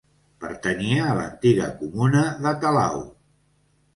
Pertanyia a l'antiga comuna de Talau.